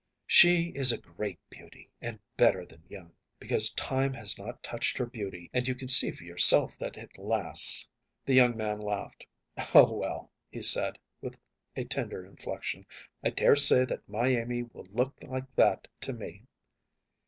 ‚ÄĚ “She is a great beauty, and better than young, because time has not touched her beauty, and you can see for yourself that it lasts.‚ÄĚ The young man laughed. “Oh, well,‚ÄĚ he said, with a tender inflection, “I dare say that my Amy will look like that to me.